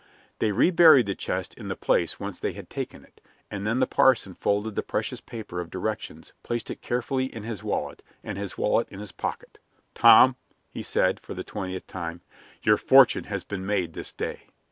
They reburied the chest in the place whence they had taken it, and then the parson folded the precious paper of directions, placed it carefully in his wallet, and his wallet in his pocket. "Tom," he said, for the twentieth time, "your fortune has been made this day."